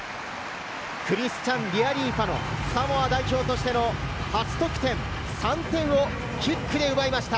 クリスチャン・リアリーファノ、サモア代表としての初得点、３点をキックで奪いました。